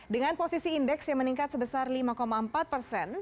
dengan posisi indeks yang meningkat sebesar lima empat persen